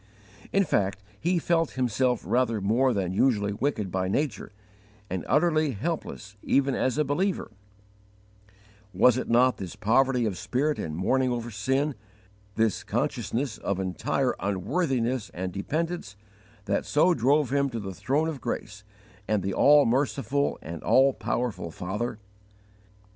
In fact he felt himself rather more than usually wicked by nature, and utterly helpless even as a believer: was it not this poverty of spirit and mourning over sin, this consciousness of entire unworthiness and dependence, that so drove him to the throne of grace and the all merciful and all powerful Father?